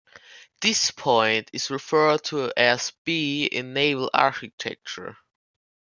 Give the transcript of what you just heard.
This point is referred to as B in naval architecture.